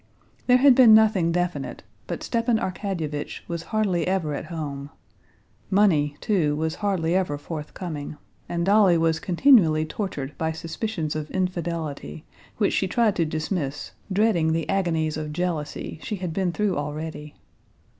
There had been nothing definite, but Stepan Arkadyevitch was hardly ever at home; money, too, was hardly ever forthcoming, and Dolly was continually tortured by suspicions of infidelity, which she tried to dismiss, dreading the agonies of jealousy she had been through already.